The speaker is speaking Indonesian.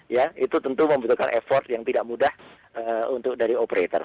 ya itu tentu membutuhkan effort yang tidak mudah untuk dari operator